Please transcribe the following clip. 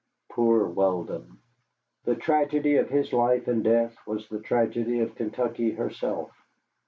Poor Weldon! The tragedy of his life and death was the tragedy of Kentucky herself.